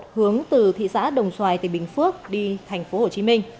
hướng từ thị xã đồng xoài tỉnh bình phước đi tp hcm